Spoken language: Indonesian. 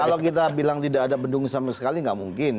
kalau kita bilang tidak ada bendung sama sekali nggak mungkin